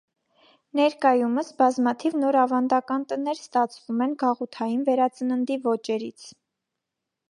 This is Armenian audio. Ներկայումս, բազմաթիվ նոր ավանդական տներ ստացվում են գաղութային վերածննդի ոճերից։